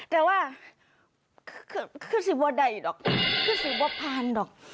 แต่ว่าคือสิว่าใดหรอกคือสิบว่าพานหรอก